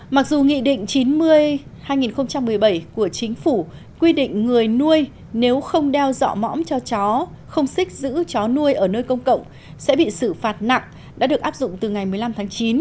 mặc dù nghị định chín mươi hai nghìn một mươi bảy của chính phủ quy định người nuôi nếu không đeo dọ mõm cho chó không xích giữ chó nuôi ở nơi công cộng sẽ bị xử phạt nặng đã được áp dụng từ ngày một mươi năm tháng chín